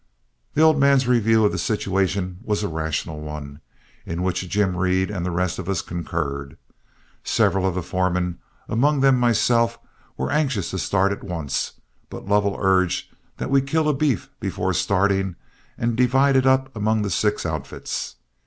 The old man's review of the situation was a rational one, in which Jim Reed and the rest of us concurred. Several of the foremen, among them myself, were anxious to start at once, but Lovell urged that we kill a beef before starting and divide it up among the six outfits.